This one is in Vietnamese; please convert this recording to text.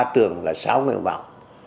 ba trường là sáu người vào